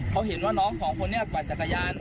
เขาเห็นว่าน้องสองคนนี้กวาดจักรยาน